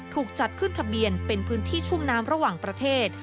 ถูกจัดขึ้นทะเบียนเป็นพื้นที่ชุ่มน้ำระหว่างประเทศ